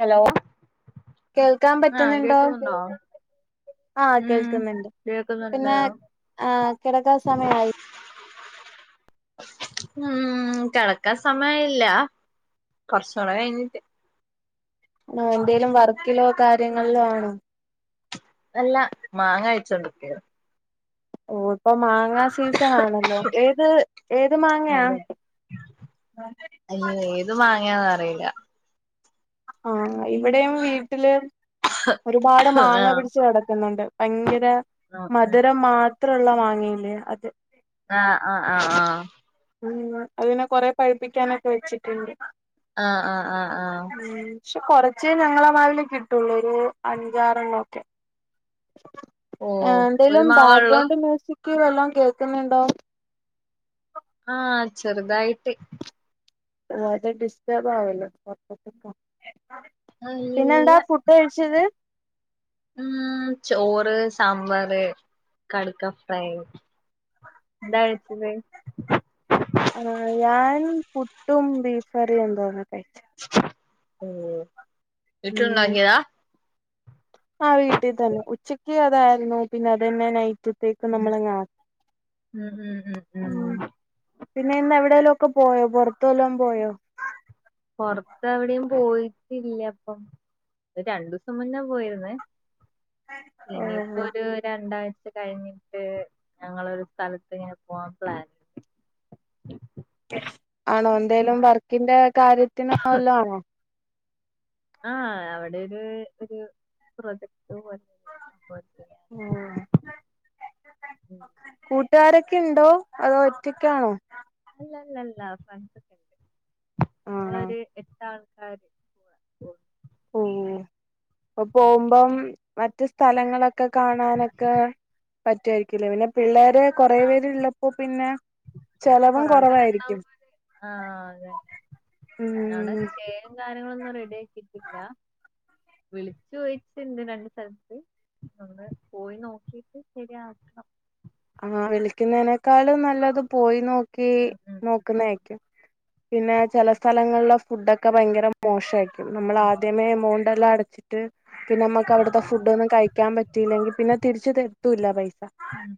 Hello കേൾക്കാൻ ആഹ് പറ്റുന്നുണ്ടോ കേക്കുന്നുണ്ടോ ആഹ് ഉം കേൾക്കുന്നുണ്ട് കേക്കുന്നുണ്ട് പിന്നെ ആ കിടക്കാ സമയായി ഉം കിടക്കാൻ സമയല്ല കുറച്ചുകൂടെ കഴിഞ്ഞിട്ട് ആ എന്തേലും വർക്കിലോ കാര്യങ്ങളിലോ ആണോ അല്ല മാങ്ങ അയച്ചോണ്ടൊക്കെയ ഓ ഇപ്പൊ മാങ്ങാ സീസൺ ആണല്ലോ ഏത് ഏത് മാങ്ങയാ? അയ്യ ഏത് വാങ്ങയാന്ന് അറിയില്ല ആഹ് ഇവിടെയും വീട്ടില് ഒരുപാട് ആഹ് മാങ്ങ പിടിച്ച് കിടക്കുന്നുണ്ട് ഭയങ്കര ആഹ് മധുരം മാത്രള്ള വാങ്ങ ഇല്ലേ അത് ആഹ് ആ ആഹ് ആഹ് അതിനെ കൊറെ പഴുപ്പിക്കാനൊക്കെ വെച്ചിട്ടുണ്ട് ആഹ് ആഹ് ആഹ് ആഹ് ഉം പക്ഷെ കൊറച്ചേ ഞങ്ങളെ മാവിൽ കിട്ടുള്ളൂ ഒരു അഞ്ചാറ എണ്ണം ഒക്കെ ഓ ഒരു എന്തെേലും മാവേള്ളൂ ബാക്ക്ഗ്രൗണ്ട് മ്യൂസിക് വല്ലം കേൾക്കുന്നുണ്ടോ ആഹ് ചെറുതായിട്ട് അത് ഡിസ്റ്റർബ് ആവല്ലോ [inaudible] പിന്നെ എന്താ നല്ല ഫു ഫുഡ് കഴിച്ചത് ഉം ചോറ്, സാമ്പാർ, കടുക്ക ഫ്രൈ എന്താ കയിച്ചത് ആ ഞാൻ പുട്ടും ബീഫ കറിയും എന്തോന്ന കഴിച്ചത് ഉം വീട്ടില് ഉണ്ടാക്കിയതാ ആ വീട്ടിൽ തന്നെ ഉച്ചക്ക് അതായിരുന്നു പിന്നെ അതന്നെ നൈറ്റ് റ്റ്ത്തേക്ക് ഉം നമ്മളങ്ങ് ആക്കി ഉം ഉം ഉം പിന്നെ ഇന്ന് എവിടെയെലും ഒക്കെ പോയോ പുറത്തു വല്ലോംപോയോ പൊറത്ത് അവിടെയും പോയിട്ടില്ല അപ്പം ഒരു രണ്ടു ദിവസം മുന്നെ പോയിരുന്നേ ഇനിയിപ്പോ ഓഹ് ഒരു രണ്ടാഴ്ച കഴിഞ്ഞിട്ട് ഞങ്ങള ഒരു സ്ഥലത്ത് ഇങ്ങനെ പോവാൻ പ്ലാൻ ആണോ എന്തേലും വർക്കിന്റെ കാര്യത്തിനോ വല്ല ആണോ ആഹ് അവിടെ ഒരു ഒരു പ്രൊജക്ട് പോലെ സംഭവ ആഹ് ഉം കൂട്ടുകാരൊക്കെ ഉണ്ടോ അതോ ഒറ്റക്കാണോ അല്ല അല്ലല്ല ഫ്രാൻസ്ണ്ട് ആഹ് ഞങ്ങളൊരു എട്ട് ആൾക്കാര് ഉം പോയിണ് അപ്പം പോകുമ്പം മറ്റ് സ്ഥലങ്ങളൊക്കെ കാണാനൊക്കെ പറ്റു വായിരിക്കില്ലേ പിന്നെ പിള്ളേർ എ കൊറെ പേരുള്ളപ്പോ പിന്നെ ആ ചെലവും കൊറെ ആൾക്കാരുണ്ടാക്കുമ്പോ കൊറവായിരിക്കും പിന്നെ ആ് അതെനെ അവിടെ ഉം സ്റ്റേ ഗാനങ്ങളൊന്നും റെഡി ആക്കിട്ടില്ല വിളിച്ചു ചോദിച്ചിണ്ട് രണ്ട് സ്ഥലത്ത് ഒന്ന് പോയി നോക്കിട്ട് ശരിയാക്കാം ആഹ് വിളിക്കുന്നതിനേക്കാള് നല്ലത് പോയി നോ ക്കി ഉം നോക്കുന്നായിരിക്കും പിന്നെ ചെല സ്ഥലങ്ങളിലെ ഫുഡക് ക്കെ ഭയങ്കര മോശായിരിക്കും. ഉം നമ്മളാദ്യമേ എമൗണ്ട് എല്ലാ അടച്ചിട് ട്ട് പിന്നമ്മക്കവിടുത്തെ അതാ ഫുഡ്ടൊന്നും ന് കഴിക്കാൻ പറ്റിയില്ലെങ്കി പിന്നെ തിരിച്ച് തരത്തൂല്ല പൈസ ഉം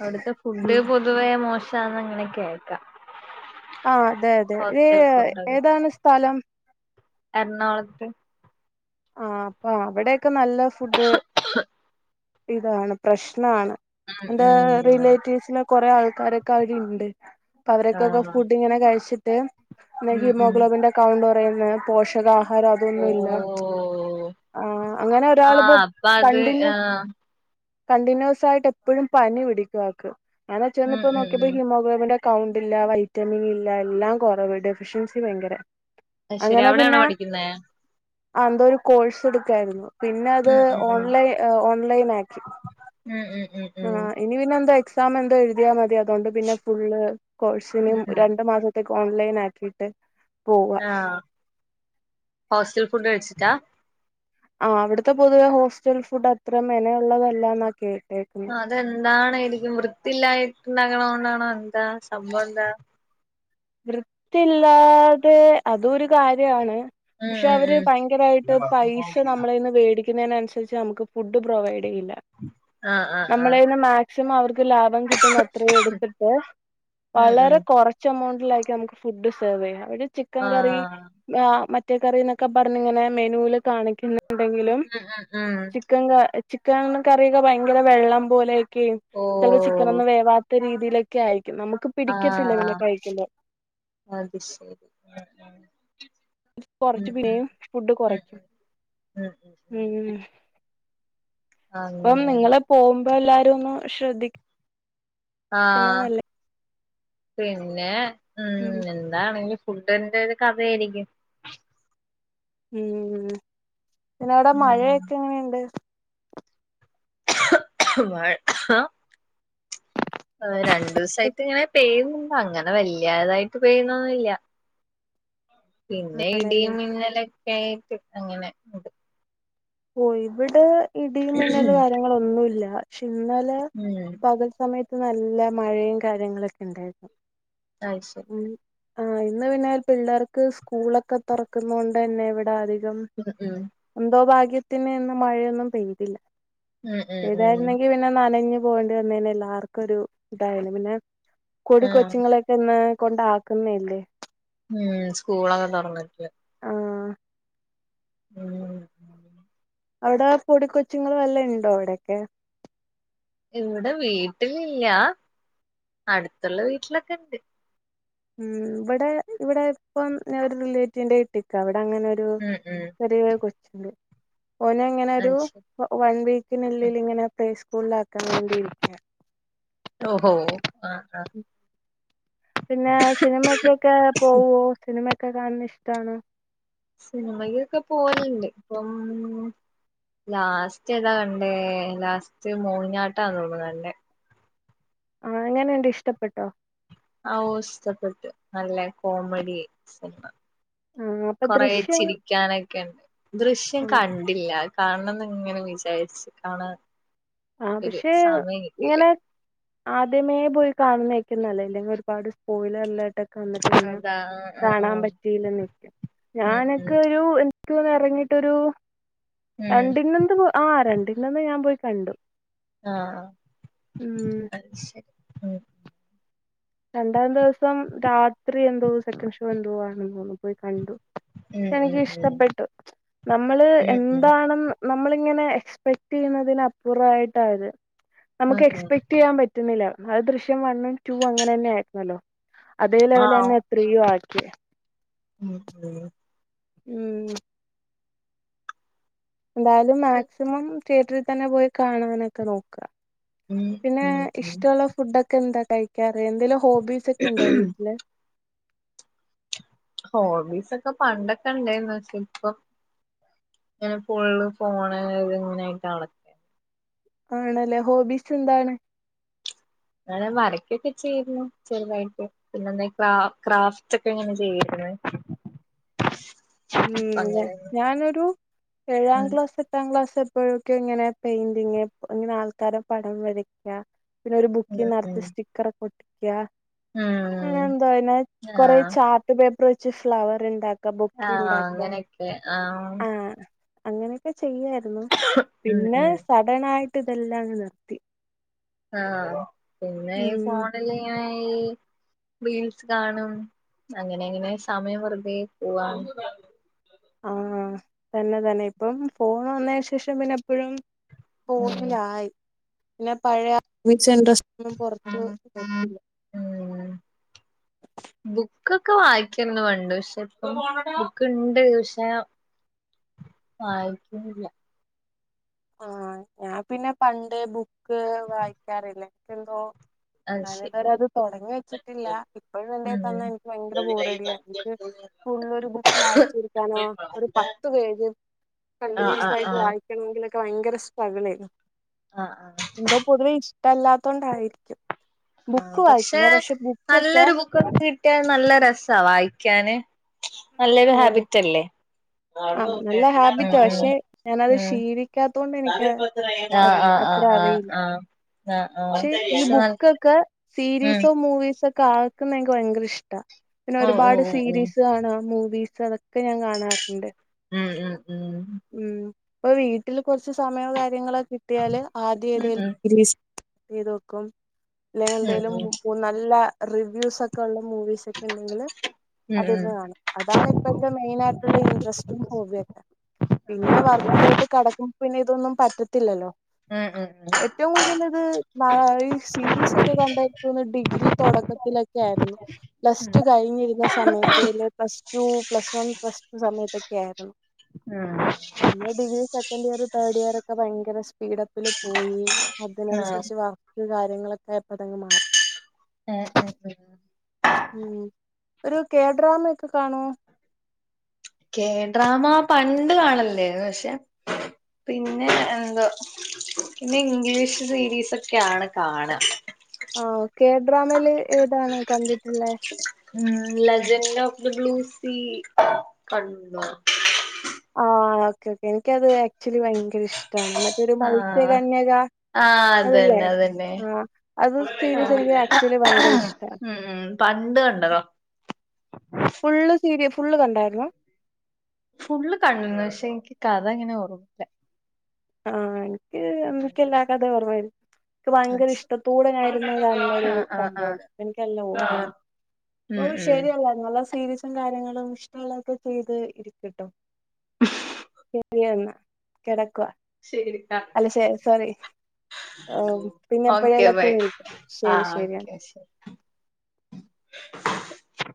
അവിടുത്തെ ഫുഡ് പൊ തുവേ മോശാന്ന് ങ്ങനെകേക്കാ ആ അതെ അതെ ഇത് ഏതാണ് സ്ഥലം എർണാകുളത്ത് ആ അപ്പൊ അവിടെക്കെ നല്ല ഫുഡ് ഇതാണ് പ്രശ്നാണ് എന്റെ ഉം ഉം റിലേറ്റീവ്സിലെ കൊറെ ആൾക്കാരൊക്കവടിണ്ട് അപ്പൊ അവരൊക്കെൊക്കെ ആഹ് ഫുഡ് ഇങ്ങനെ കഴിച്ചിട്ട് ഉം ഉം ഹിമോഗ്ലോബിന്റെക്കൗണ്ട് കുറയുന്ന് പോഷക ഹാരം അതൊന്നുല്ല, ഓഹ് ആ അങ്ങനെ ആഹ് ഒരാളിപ്പോ അപ്പൊ അത് കണ്ടിന്യൂ ആഹ് കണ്ടിന്യൂസായിട്ട് എപ്പഴും പനി പിടിക്കും ആക്ക്. അങ്ങനെ ചെന്ന് ഉം ഇപ്പോ ഉം നോക്കിയപ്പോ ഉം ഹീമോഗ്ലോബിൻ്റെ കൗണ്ട്ല്ല വൈറ്റമിൻ ഇല്ല എല്ലാം കൊറവ് ഡെഫിഷ്യൻസി ഭയങ്കര അയ് ശെരി അവിടെയാണോ പഠിക്കുന്നെ അന്തോ ഒരു കോഴ്സ് എടുക്കായിരുന്നു പിന്നത് ഉം ഉം ഓൺലൈ ഓൺലൈനാക്കി ഉം ഉം ഉം ആ ഇനി പിന്നെ എന്തോ എക്സാം എന്തോ എഴുതിയാമതി അതുകൊണ്ട് പിന്നെ ഫുള്ള് കോഴ്സിന് ഉം ഉം രണ്ടു മാസ ത്തേക്കോൺലൈനാക്കിട്ട് ആഹ് ഹോസ്റ്റൽ ഫുഡ് കഴിച്ചിട്ടാ ആഹ് അവിടുത്തെ പൊതുവെ ഹോസ്റ്റൽ ഫുഡ് അത്ര മെന ഉള്ളതല്ലന്നാ കേട്ട അതെന്താണ് എരിക്കും വൃത്തില്ലായിട്ടുണ്ടാക്കണത് കൊണ്ടാണോ എന്താ സംഭവന്താ വൃത്തില്ലാതെ അതുഒരു കാര്യമാണ് ഉം പക്ഷെ ഉം അവര് ഉം ഭയങ്കരായിട്ട് പൈസ നമ്മളേ ന്ന് വേടി ക്കുന്നതിനൻസരിച്ച് നമുക്ക് ഫുഡ് പ്രൊവൈഡെയ്യില്ല, ആഹ് ആഹ് ആഹ് നമ്മളേന്ന് മാ സിമം അവർക്ക് ലാഭം കിട്ടുന്ന അത്രയും എടുത്തിട്ട് ഉം വളരെ ഉം കൊറച്ചെമൗ ണ്ടിലായിരിക്കും നമുക്ക് ഫുഡ് സെർവെയ്യാ, ഒരു ചിക്കൻ കറി ആഹ് ആഹ് മറ്റേ കറിന്നൊക്കെ പർഞ്ഞിങ്ങനെ മെനൂല് കാണിക്കുന്ന ണ്ടെങ്കിലും ഉം ഉം ഉം ചിക്കൻ ക ചിക്കൻ കറിയൊക്കെ ഭയങ്കര വെള്ളം പോലെയൊക്കെയ ചെല ചി ഓഹ് ക്കനൊന്നുംവേവാത്ത രീതിയിലൊക്കെ ആയിരിക്കും നമുക്ക് പിടിക്കത്തില്ല പിന്നെ ആഹ് കഴിക്കുമ്പോ അത് ശരി ഉം കുറച്ച് ഉം പിന്നേയും ഫുഡ് ഉം കൊറയ്ക്കും ഉം പ്പം അങ്ങനെ നിങ്ങളെ പോവുമ്പ എല്ലാരു ഒന്ന് ശ്രദ്ധി- ആഹ് പിന്നെ ഉം താണെങ്കി ഫുഡിന്റെ ഒര് കഥയായിരിക്കും ഉം പിന്നവിടെ ഉം. മഴയൊക്കെ എങ്ങനെയിണ്ട് [inaudible] രണ്ടൂസായിട്ട് ഇങ്ങനെ പെയ്യുന്നുണ്ട് അങ്ങനെ വല്യാതായിട്ട് പെയ്യ്ണൊന്നുംല്യ പിന്നെ ആണല്ലേ ഇടിയും മിന്നലൊക്യായിട്ട് അങ്ങനെ ഉണ്ട് ഓ ഇവിടെ ഇടിയും മിന്നല് കാര്യങ്ങളൊന്നുല്ല ക്ഷെ ഇന്നലെ ഉം പകൽ സമയത്ത് നല്ല മഴയും കാര്യങ്ങളൊക്കെണ്ടായിരുന്നു അയ്ശരി ഉം ആഹ് ഇന്ന് പിന്നെ പിള്ളേർക്ക് സ്കൂളൊക്കെ തൊറക്ക്ന്നോണ്ട് ന്ന് ഇവടെ അധികം [unintelligible] എന്തോ ഭാഗ്യത്തിന് ഇന്ന് മഴയൊന്നും പെയ്തില്ല. ഉം ഉം ഉം പെയ്തായിരുന്നെങ്കില് ന്നെ നനഞ്ഞ് പോകേണ്ടി വന്നേനെ എല്ലാർക്കൊരു ഇതായിനി. പിന്നെ ആഹ് കൊടുകൊച്ചുങ്ങളെ ക്കെന്ന് കൊണ്ടാക്കുന്നേല്ലേ. ആഹ് സ്കൂളൊക്കെ തൊറന്ന്ട്ട്. ആഹ് ആഹ് അവ്ടെ പൊടി കൊച്ചുങ്ങള് വല്ലെ ണ്ടോ അവ്‌ടെക്കെ? ഇവ്ടെ വീട്ടിലില്ല്യാ. അട്ത്ത്ള്ള വീട്ടിലൊക്കെ ണ്ട്. ഉം. വടെ ഇവടെ ഇപ്പം ഞാനൊരു റിലേറ്റീവിന്റെ വീട്ടിക്കാ. അവ്ടെ അങ്ങനെ രു ഉം ഉം ചെറിയകൊച്ചുണ്ട്. ഓനങ്ങനെ രു അത് ശരി വ വൺ ഉം. വീക്കിനുള്ളില് ങ്ങനെ പ്ലേ സ്ക്കൂള്ളാക്കാൻ വേണ്ടിയിരിക്കാ ഓഹ് ഹോ ആഹ് ആഹ് [inaudible] പിന്നെ സിനിമക്കൊക്കെ പോവോ സിനിമെക്കെ കാൺണെ ഇഷ്ടാണൊ? സിനിമയൊക്കെക്കെ പോവൽണ്ട്. പ്പം ലാസ്റ്റ് ഏതാ കണ്ടേ. ലാസ്റ്റ് മോഹിനിയാട്ടാന്ന് തോന്നുന്നു കണ്ടേ. ആഹ് എങ്ങനെണ്ട് ഇഷ്ടപ്പെട്ടോ? അഓഹ് ഇഷ്ടപ്പെട്ട്. നല്ല കോമഡി സിനിമ. ആ അപ്പൊ കൊറേ ദൃശ്യം ചിരിക്കാനൊക്കെണ്ട്. ദൃശ്യം ആ കൺ ട്ടില്ലാ. കാണണംന്ന് ങ്ങനെ വിചാരിച്ച്. കാണാ ആഹ് പക്ഷെ ങ്ങനെ ആദ്യമേ പോയി കാണുന്നേക്കും നല്ലേ. ഇല്ലെങ്കി ഒരുപാട് സ്പോയിലർലാട്ടൊ അന്ന്ട്ട് പിന്നെ അതാ ആ കാണാം ആ പറ്റില്ലെന്ന് വെക്കും. ഉം ഞാനൊക്കെ ഒരു എന്ത് ക്ക് തോന്ന്ന്നെ എറങ്ങിട്ടൊരു ഉം രണ ഉം ണ്ടിന്നെന്ത് പോവാ ആഹ് രണ്ടിന്ന ന്ന് ഞാ പോയി കണ്ടു. ആഹ് ഉം അത് ശ രണ്ടാം ദിവസം രാത്രി എന്തോ സെക്കൻ് ഷോ എന്തോ ആണന്ന് തോന്ന് ണു പോയി കണ്ടു. പക്ഷെ ഉം ഉം എനിക്ക് ഉം ഇഷ്ടപ്പെട്ടു. നമ്മള് ഉം ഉം എന്താണെന്ന് നമ്മളിങ്ങനെ എക്സ്പെക്ട് ചെയ്യ്ന്നതിന് അപ്പൂർവായിട്ടാത്. നമുക്ക് ഉം ഉം എക്സ്പെക്ടെയ്യാൻ പ റ്റ്ണില്ലാ. അഹ് ദൃശ്യം വണ്ണും, ടൂവും അങ്ങനെ ന്നെ ആയിര്ന്നല്ലോ? അതേ ആഹ് ലെവലെന്നെ ത്രീയും ആക്കി. ഉം ഉം ഉം ന്തായാലും മാക്സിമം തിയേറ്റർൽ തന്നെ പോയി കാണാനൊക്കെ നോക്കാ. ഉം പിന്നെ ഉം ഉം ഇഷ്ടോള്ള ഫുഡൊക്കെ ന്താ കഴിക്കാറ്? എന്തെലും ഹോബീ സെക്കെ ണ്ടോ വീട്ട്ല്? ഹോബീസൊക്കെ പണ്ടൊക്കെ ണ്ടേര്ന്ന് പക്ഷെ ഇപ്പം ങ്ങനെ ഫുള്ള് ഫോണ് ത് ങ്ങ നേയിട്ടാണ്. ആണല്ലേ. ഹോബീസെന്താണ്? ങ്ങനെ വരക്കൊക്കെ ചെയ്തിരുന്നു. ചെറ്തായിട്ട് പിന്നെന്താ ഈ ക്രാ ക്രാഫ്റ്റൊക്കെ ങ്ങനെ ചെയ്യേര്ന്ന് ഉം. ന്നെ ഞാനൊരു ഏഴാം ഉം ക്ലാസ് എട്ടാം ക്ലാസ് എപ്പോഴൊക്കെയൊ ങ്ങനെ പെയിന്റിംഗ്, ങ്ങനെ ആൾക്കാരെ പടം വരയ് ക്കാ. പിന്നെരു ഉം ഉം ബുക്കിന്നർത്ത് സ്റ്റിക്കറൊക്കെ ഒട്ടിക്കാ. ആഹ് ഉം എന്തൊ ഇന്നെ കൊറേ ആഹ് ചാർട്ട് പേപ്പർ വെച്ച് ഫ്ലവർ ണ്ടാക്കാ. ബൊ ആഹ് ഇണ്ടാക്ക അങ്ങനെയൊക്കെ ആഹ്. അങ്ങനെയൊക്കെ ചെയ്യായിരുന്നു. ഉം പിന്നെ, ഉം സഡൺ ആയിട്ട് ഇതെല്ലാം അങ്ങ് നിർത്തി. ആഹ്, പിന്നെ, ഉം ഫോണില്ല് ഇങ്ങനയി. റീൽസ് കാണും. അങ്ങനെ എങ്ങനെ സമയം വെറുതെ പോവാണ്. ആഹ്, തന്നെ, തന്നെ ഇപ്പം ഫോൺ വന്നതിന് ശേഷം പിന്ന എപ്പോഴും ഉം ഫോണിലായി. പിന്നെ, പഴയ മ്യൂച്ച് [unintelligible] പുറത് [inaudible] ബുക്കൊക്ക വായിക്കന്ന് പണ്ട് പക്ഷെ ഇപ്പ ബുക്ക് ഇണ്ട് പക്ഷേ. വായിക്കണില്ല. ആഹ്, ഞാൻ പിന്നെ പണ്ടേ ബുക്ക് വായിക്കാറില്ല. എന് ക്കെന്തോ അത് ഞാന് ശരി ഇത്വരത് തുടങ്ങി വെച്ചിട്ടില്ല. ഇപ്പോഴും എന്റെ തന്ന എനിക്ക് ഭയങ്കര ബോറടിയാണ്. എനിക്ക് ഉം ഫൂള്ലൊരു ബുക്ക് വായിച്ചിരിക്കാനോ, ഒരു പത്ത് പേജ്. ആഹ് കണ്ടിന്യൂസ് ആഹ് ആയിട്ട് വായിക്കണമെങ്കിലൊക്കെ ഭയങ്കര സ്ട്രഗിൾ ആയിരുന്നു. ആഹ്, ആഹ് എന്തോ, പൊതുവെ ഇഷ്ടമല്ലാത്തോണ്ടായിരിക്കും ബുക്ക് വായിക്കില്ല. പക്ഷെ, ബുക്ക് ഒക്കെ ഇപ്പ കിട്ടിയൽ നല്ല രസ വായിക്കാന്. നല്ലൊരു ഓഹ് ഹാബിറ്റ് അല്ലേ ഉം ആഹ്, നല്ല ഹാബിറ്റ ഉം പക്ഷെ ഞാനത് ഉം ക്ഷീലിക്കാത്തൊണ്ട് എനിക്ക ആഹ് അത് ആഹ് അത്ര ആഹ് ആഹ് അറിയില്ല. ആഹ് ആഹ് ആഹ് പക്ഷെ, ഈ നൽ ബുക്കൊക്ക സീരീസോ, മൂവീസൊക്ക, ആക്കുന്ന എനിക്ക് ഭയങ്കര ഇഷ്ടാ. പിന്നെ, ഉം ഒരുപാട് ഉം ഉം സീരീസ് കാണ മൂവീസ് അതൊക്കെ ഞാൻ കാണാറുണ്ട്. ഉം, ഉം, ഉം ഉം, ഇപ്പൊ വീട്ടില് കുറച്ച് സമയോ കാര്യങ്ങളോ കിട്ടിയാല് ആദ്യം ഉം ഉം ഉം ഉം ഉം ഉം ഉം ഏതോലും ഉം സീരീസ് ചെയ്ത് നോക്കും. അല്ലെങ്കി, ഉം എന്തെലും നല്ല റിവ്യൂസ് ഒക്കെ ഉള്ള മൂവീസ് ഒക്കെ ഉണ്ടെങ്കില്, അത് ഇരുന്ന് കണും. അതാണ് ഇപ്പോഴത്തെ മെയിന ആയിട്ടുള്ള ഇൻട്രസ്റ്റിഗ് ഹോബി. ഒക്കെ പിന്നെ വർക്കിലോട്ട് കടക്കും. പിന്നെ, ഇതൊന്നും പറ്റത്തില്ല ല്ലോ? ഉം ഉം ഏറ്റവും കൂടുതൽ ഇത്. ന, ഈ സീരീസ് ഒക്കെ കണ്ടിരിക്ക ഡിഗ്രി തുടക്കത്തിലൊക്കെ ആയിരുന്നു. പ്ലസ് ടു, കഴിഞ്ഞിരുന്ന സമയത്തിൽ plus two, plus one, plus സമയത്തൊക്കെ ആയിരുന്നു. ആഹ്. പിന്നെ ഡിഗ്രി സെക്കൻ് ഇയർ തേഡ് ഇയർ ഒക്കെ ഭയങ്കര സ്പീഡപ്പില് പോയി അ [unintelligible] ആഹ് കുറച്ച് വർക്ക് കാര്യങ്ങളൊക്കെ, ഇപ്പ അതങ്ങ് മാറ ഏഹ് ഏഹ് ഉം ഉം, ഒരു കെ ഡ്രാമ ഒക്കെ കാണുവോ? കെഡ്രാമ പണ്ട് കാണലിണ്ടരുന്നു. പക്ഷെ പിന്നെ, എന്തോ, പിന്നെ, ഇംഗ്ലീഷ് സീരീസ് ഒക്കെ ആണ് കാണ ആഹ്, ഒക്കെ, കെ ഡ്രാമേല് ഏതാണ് കണ്ടിട്ടുള്ളെ? ഉം, legend of the blue sea, കണ്ടു. ആഹ്‌, ഓക്കെ, ഓക്കേ, എനിക്കത് ആക്ച്വലി ഭയങ്കര ഇഷ്ടമാണ്. മറ്റരു മത്സ്യകന്യക. ആഹ്, അത് അതല്ലേ? തന്നെ, അത് തന്നെ, ആഹ് അത് സീരീസ് എനിക്ക് ആക്ച്വലി ആഹ് ഭയങ്കര [unintelligible] ഇഷ്ടാണ് ഉം പണ്ട് കണ്ടത. ഫുള്ള് സീരി ഫുള് കണ്ടായിരുന്നോ? ഫുള്ള് കണ്ടന്ന്. പക്ഷെ, എനിക്ക് കഥ അങ്ങനെ ഓർമ്മില്ല. ആഹ്, എനിക്ക് അന്നക്കെ എല്ലാ കഥ ഓർമയി എനിക്ക് ഭയങ്കര ഇഷ്ടത്തോടെ നായിരുന്ന കാണുനൊരു ആ ആ ആ സംഭവല്ലേ? അപ്പൊ എനിക്ക് നല്ല ആ ഓർമ്മണ്ട്. ഉം ഓഹ് ഉം ശെരിയെന്നാ നല്ല സീരീസും കാര്യങ്ങളും ഇഷ്ട്ടള്ളാെക്കെ ചെയ്ത് ഇരിക്ക്ട്ടോ മ്മ്ഹ് ശെരിയെന്നാ കെടക്കുവാ ശെരിടി അല്ല ശെ സോറി ആഹ് പിന്നെ ഓക്കെ എപ്പെഴേലെക്കെ ബൈ വിളിക്കാം ആ ശെരി ശെര്യാണ് ഓക്കെ ശരി